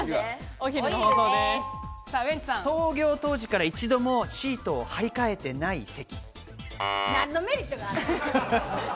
創業当時から一度もシートを張り替えてない席。